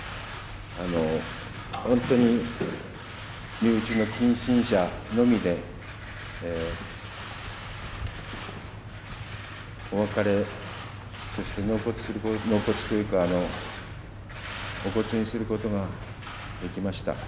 本当に身内の近親者のみでお別れ、そして納骨というか、お骨にすることができました。